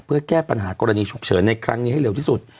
เพื่อแก้ปัญหากรณีฉุกเฉินในครั้งนี้ให้เร็วที่สุด